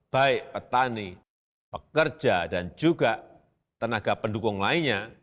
baik petani pekerja dan juga tenaga pendukung lainnya